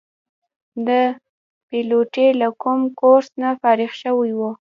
د پیلوټۍ له کوم کورس نه فارغ شوي وو.